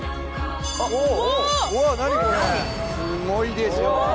すごいでしょう？